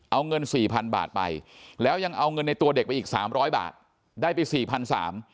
เอาเงิน๔๐๐๐บาทไปแล้วยังเอาเงินในตัวเด็กไปอีก๓๐๐บาทได้ไป๔๓๐๐บาท